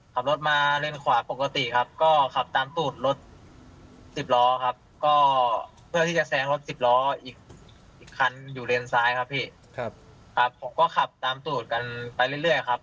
หลานซ้ายผมก็ส่วนเองขับตามตู้เร็วมากสิดี